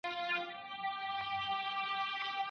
که ړوند سړی ږیره ولري، ډېري مڼې به خوري.